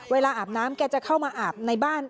อาบน้ำแกจะเข้ามาอาบในบ้าน